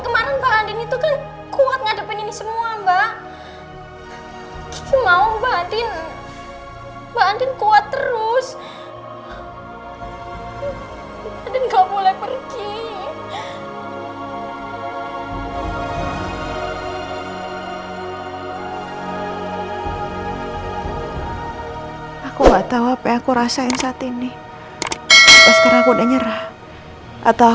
kenapa perasaanku gak enak ya